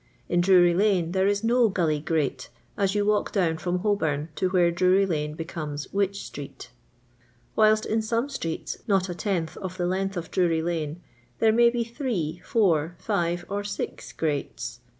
In Drury lane there is no guUy grate, as you walk down from Holbom to where Drury lane becomes Wych street ; whilst in some streets, not a tenth of the length of Drury lane, there may be three, four, five, or six grates.